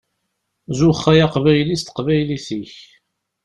Zuxx ay Aqbayli s teqbaylit-ik!